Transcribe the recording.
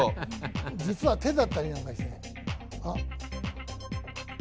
実は手だったりなんかして。